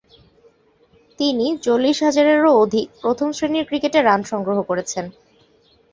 তিনি চল্লিশ হাজারেরও অধিক প্রথম-শ্রেণীর ক্রিকেটে রান সংগ্রহ করেছেন।